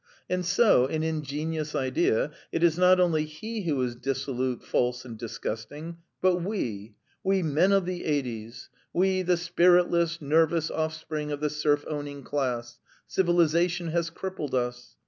And so an ingenious idea! it is not only he who is dissolute, false, and disgusting, but we ... 'we men of the eighties,' 'we the spiritless, nervous offspring of the serf owning class'; 'civilisation has crippled us'